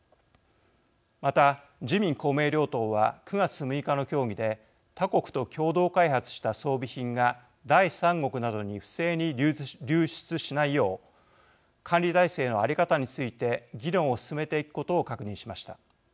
また、自民・公明両党は９月６日の協議で他国と共同開発した装備品が第三国などに不正に流出しないよう管理体制の在り方について議論を進めていくことを確認しました。